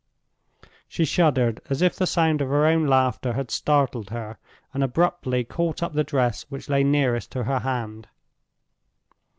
She shuddered, as if the sound of her own laughter had startled her, and abruptly caught up the dress which lay nearest to her hand.